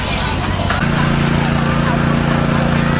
กินกว่าอีกแล้วนะครับ